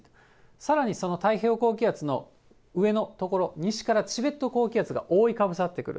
さらにその太平洋高気圧の上の所、西からチベット高気圧が覆いかぶさってくる。